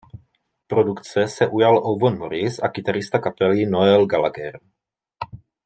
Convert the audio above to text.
Produkce se ujal Owen Morris a kytarista kapely Noel Gallagher.